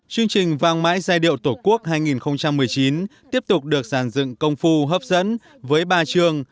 chương trình vang mãi giai điệu tổ quốc hai nghìn một mươi chín tiếp tục được giàn dựng công phu hấp dẫn với ba trường